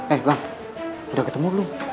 eh bang udah ketemu belum